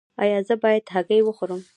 ایا زه باید هګۍ وخورم؟